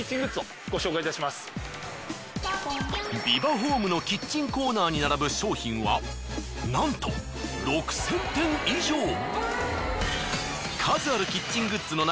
ビバホームのキッチンコーナーに並ぶ商品はなんと６，０００点以上。